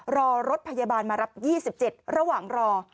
รอรถพยาบาลมารับ๒๗ระหว่างรอ